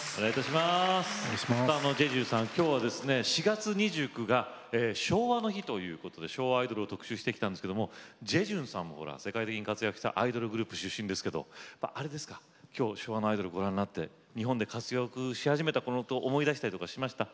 きょうは４月２９日が昭和の日ということで昭和アイドルを特集してきたんですけどもジェジュンさんも世界的に活躍したアイドルグループ出身ですけどやっぱあれですかきょう昭和のアイドルご覧になって日本で活躍し始めたころのことを思い出したりとかしました？